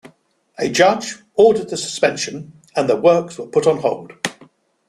A judge ordered the suspension and the works were put on hold.